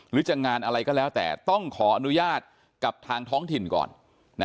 หรือจะงานอะไรก็แล้วแต่ต้องขออนุญาตกับทางท้องถิ่นก่อน